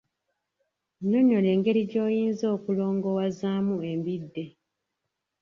Nyonnyola engeri gy’oyinza okulongowazaamu embidde.